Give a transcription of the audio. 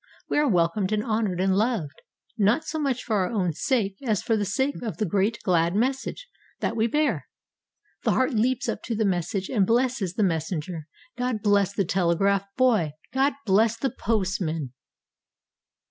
We are welcomed and honoured and loved, not so much for our own sake as for the sake of the great, glad message that we bear. The heart leaps up to the message and blesses the messenger. God bless the telegraph boy! God bless the postman!